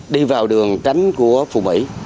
đi vào đường tránh của phù mỹ